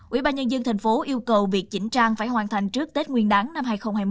ubnd tp yêu cầu việc chỉnh trang phải hoàn thành trước tết nguyên đáng năm hai nghìn hai mươi một